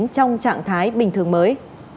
trong trạng thái bình thường mới